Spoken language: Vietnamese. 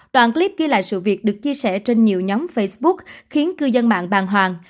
đoạn clip ghi lại sự việc được chia sẻ trên nhiều nhóm facebook khiến cư dân mạng bàng hoàng